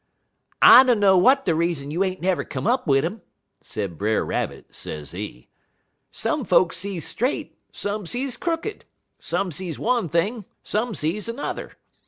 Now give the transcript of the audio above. "'I dunner w'at de reason you ain't never come up wid um,' sez Brer Rabbit, sezee; 'some folks sees straight, some sees crooked, some sees one thing, some sees 'n'er.